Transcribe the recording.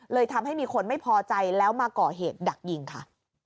ทำให้มีคนไม่พอใจแล้วมาก่อเหตุดักยิงค่ะ